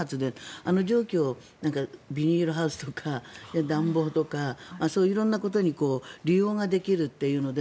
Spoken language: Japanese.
あの蒸気をビニールハウスとか暖房とかそういう色んなことに利用ができるというので。